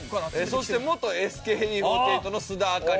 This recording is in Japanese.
そして元ＳＫＥ４８の須田亜香里さん。